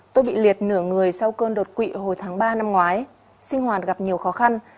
tôi bị liệt nửa người sau cơn đột quỵ hồi tháng ba năm ngoái sinh hoạt gặp nhiều khó khăn